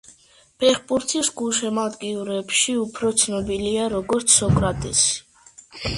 ფეხბურთის გულშემატკივრებში უფრო ცნობილია როგორც სოკრატესი.